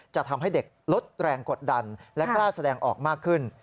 จะทำให้เด็กลดแรงกดดันและกล้าแสดงออกมากขึ้น